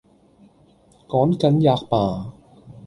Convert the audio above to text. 「趕緊喫罷！」